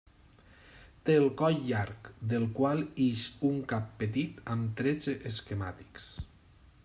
Té el coll llarg, del qual ix un cap petit amb trets esquemàtics.